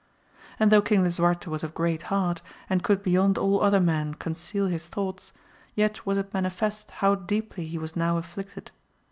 And though King Lisuarte was of great heart, and could beyond all other men conceal his thoughts, yet was it manifest how deeply he was now afflicted.